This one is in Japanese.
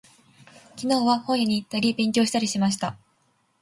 昨日は、本屋に行ったり、勉強したりしました。